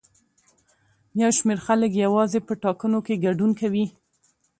یو شمېر خلک یوازې په ټاکنو کې ګډون کوي.